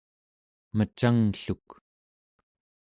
mecanglluk